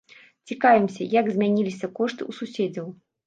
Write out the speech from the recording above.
Цікавімся, як змяніліся кошты ў суседзяў.